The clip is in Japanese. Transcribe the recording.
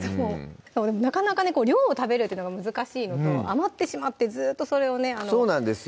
なかなかね量を食べるってのが難しいのと余ってしまってずっとそれをねそうなんですよ